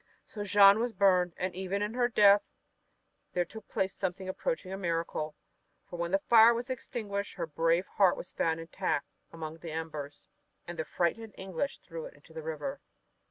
So Jeanne was burned, and even in her death there took place something approaching a miracle, for when the fire was extinguished her brave heart was found intact among the embers, and the frightened English threw it into the river.